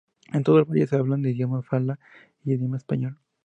En todo el valle se habla idioma fala y idioma español.